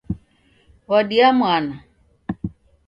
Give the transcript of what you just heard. W'adia mwana